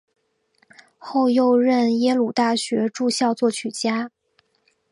后又任耶鲁大学驻校作曲家。